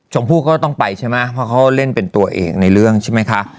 ผู้ก็ต้องไปใช่ไหมเพราะเขาเล่นเป็นตัวเองในเรื่องใช่ไหมคะ